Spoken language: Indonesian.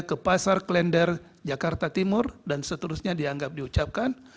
ke pasar klender jakarta timur dan seterusnya dianggap diucapkan